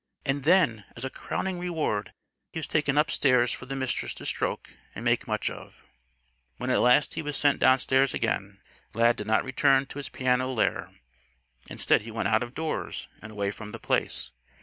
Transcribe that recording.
And then, as a crowning reward, he was taken upstairs for the Mistress to stroke and make much of. When at last he was sent downstairs again, Lad did not return to his piano lair. Instead, he went out of doors and away from The Place.